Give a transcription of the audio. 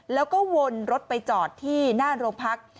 แล้วก็วนรถไปจอดที่หน้าโรงพัก